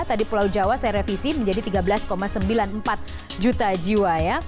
tadi pulau jawa saya revisi menjadi tiga belas sembilan puluh empat juta jiwa ya